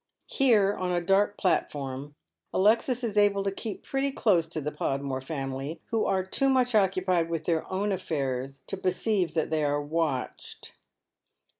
Here, on a dark platfoiTn, Alexis is able to keep pretty close to the Podmore family, who are too much occupied with their own affairs to perceive that they are watched.